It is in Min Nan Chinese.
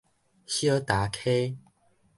小礁溪